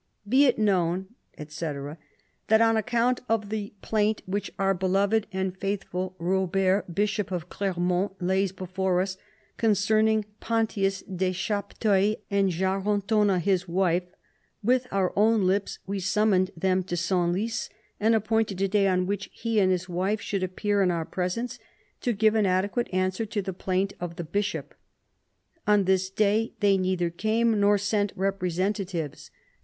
"Be it known, etc. That on account of the plaint which our beloved and faithful Eobert, bishop of Clermont, lays before us concerning Pontius de Chapteuil and Jarentona his wife, with our own lips we summoned them to Senlis, and appointed a day on which he and his wife should appear in our presence to give an adequate answer to the plaint of the bishop. On this day they neither came nor sent representatives.